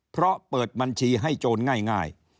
เพราะเปิดบัญชีให้โจรง่าย